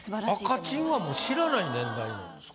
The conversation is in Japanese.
赤チンはもう知らない年代なんですか？